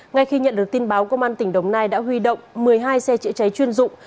ngay khi nhận được tin báo công an tỉnh đồng nai đã huy động một mươi hai xe chữa cháy chuyên dụng